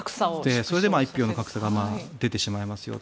それで一票の格差が出てしまいますよと。